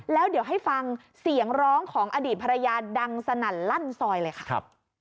แล้วเดี๋ยวให้ฟังเสียงร้องของอดีตภรรยาดังสนั่นลั่นซอยเลยค่ะ